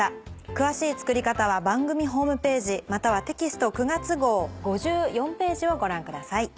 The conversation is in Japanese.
詳しい作り方は番組ホームページまたはテキスト９月号５４ページをご覧ください。